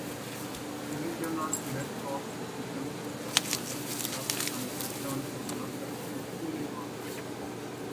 The Regional Director's decision to block or not block an election is not appealable.